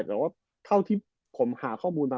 แต่ว่าเท่าที่ผมหาข้อมูลมา